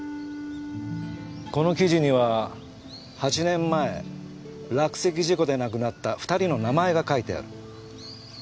この記事には８年前落石事故で亡くなった２人の名前が書いてある。